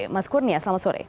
mas kurnia selamat sore